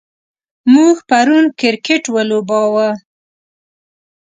موږ پرون کرکټ ولوباوه.